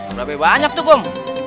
berapa banyak tuh kum